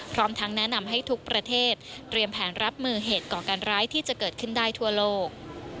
พร้อมทั้งแนะนำให้ทุกประเทศเตรียมแผนรับมือเหตุก่อการร้ายที่จะเกิดขึ้นได้ทั่วโลก